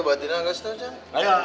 batinah angkat situ aja